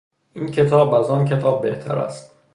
این کتاب از آن کتاب بهتر است.